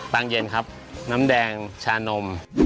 งเย็นครับน้ำแดงชานม